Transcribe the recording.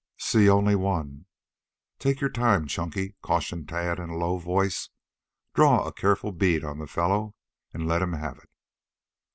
"See only one." "Take your time, Chunky," cautioned Tad in a low voice. "Draw a careful bead on the fellow and let him have it."